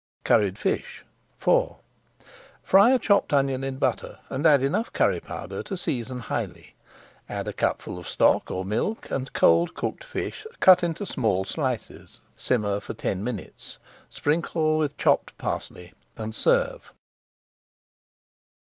CURRIED FISH IV Fry a chopped onion in butter, and add enough curry powder to season highly. Add a cupful of stock or milk, and cold cooked fish cut into small slices. Simmer for ten minutes, sprinkle with chopped parsley, and serve.